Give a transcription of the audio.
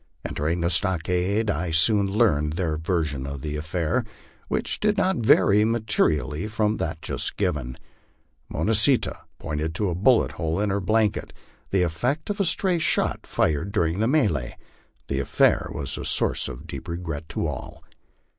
Entering the stockade, I soon learned their version of the affair, which did not vary ma terially from that just given. Mo nah see tah pointed to a bullet hole in her blanket, the effect of a stray shot fired during the melee. The affair was a source of deep regret to all.